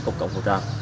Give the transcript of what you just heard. tổng cộng phòng trang